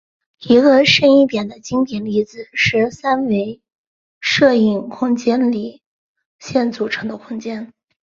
一个深一点的经典例子是三维射影空间里线组成的空间。